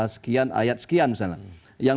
sekian ayat sekian misalnya yang